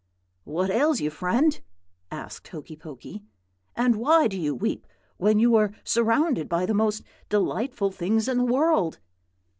"'What ails you, friend?' asked Hokey Pokey; 'and why do you weep, when you are surrounded by the most delightful things in the world?'